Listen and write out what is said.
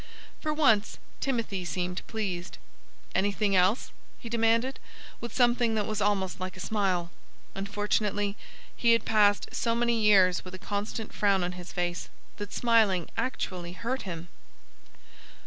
For once Timothy seemed pleased. "Anything else?" he demanded, with something that was almost like a smile. Unfortunately, he had passed so many years with a constant frown on his face that smiling actually hurt him.